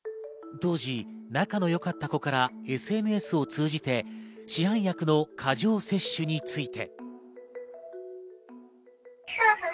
当時、仲の良かった子からＳＮＳを通じて市販薬の過剰摂取について。